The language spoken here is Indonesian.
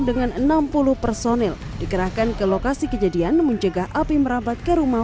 dengan enam puluh personil dikerahkan ke lokasi kejadian mencegah api merabat ke rumah